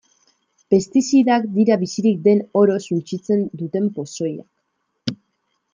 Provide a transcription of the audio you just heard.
Pestizidak dira bizirik den oro suntsitzen duten pozoiak.